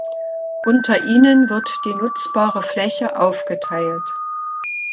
Unter ihnen wird die nutzbare Fläche aufgeteilt.